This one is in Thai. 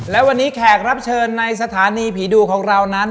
และวันนี้แขกรับเชิญในสถานีผีดุของเรานั้น